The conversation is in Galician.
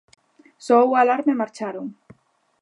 Soou a alarma e marcharon.